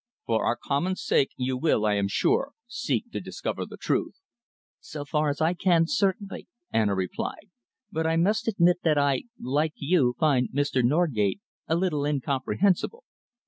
For our common sake you will, I am sure, seek to discover the truth." "So far as I can, certainly," Anna replied, "but I must admit that I, like you, find Mr. Norgate a little incomprehensible."